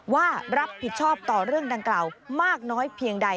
ว่ารับผิดชอบต่อเรื่องดังกล่าวมากน้อยเพียงใด